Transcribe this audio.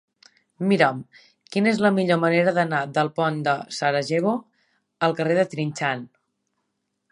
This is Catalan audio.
Mira'm quina és la millor manera d'anar del pont de Sarajevo al carrer de Trinxant.